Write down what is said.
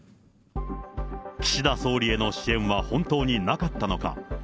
岸田総理への支援は本当になかったのか。